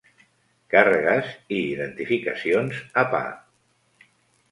Carregues i identificacions a pa.